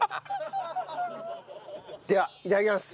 ではいただきます。